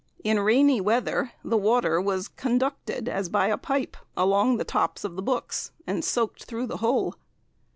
In rainy weather the water was conducted, as by a pipe, along the tops of the books and soaked through the whole.